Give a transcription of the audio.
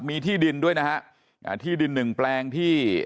มีที่ดินด้วยนะฮะอ่าที่ดินหนึ่งแปลงที่